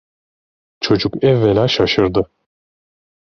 Çocuk evvela şaşırdı.